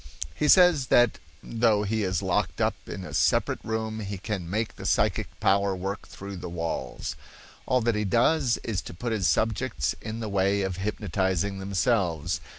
He says that though he is locked up in a separate room he can make the psychic power work through the walls. All that he does is to put his subjects in the way of hypnotizing themselves.